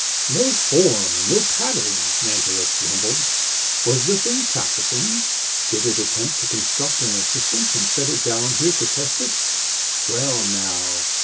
"No form, no pattern," Mantelish rumbled. "Was the thing practicing? Did it attempt to construct an assistant and set it down here to test it? Well, now!"